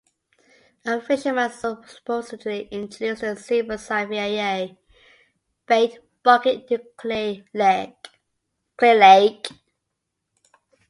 A fisherman supposedly introduced the silverside via bait bucket into Clear Lake.